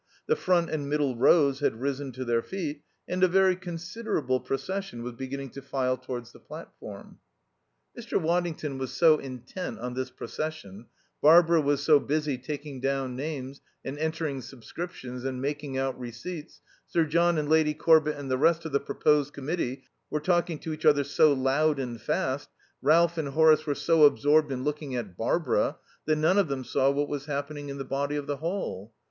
The front and middle rows had risen to their feet and a very considerable procession was beginning to file towards the platform. Mr. Waddington was so intent on this procession, Barbara was so busy taking down names and entering subscriptions and making out receipts, Sir John and Lady Corbett and the rest of the proposed Committee were talking to each other so loud and fast, Ralph and Horace were so absorbed in looking at Barbara that none of them saw what was happening in the body of the hall.